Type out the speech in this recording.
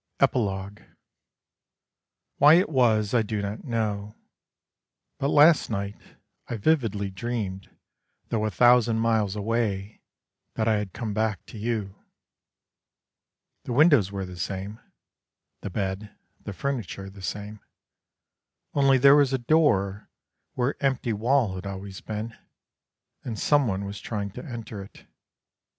EPILOGUE Why it was I do not know, But last night I vividly dreamed Though a thousand miles away, That I had come back to you. The windows were the same: The bed, the furniture the same, Only there was a door where empty wall had always been, And someone was trying to enter it.